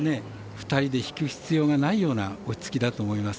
２人で引く必要ないような落ち着きだと思います。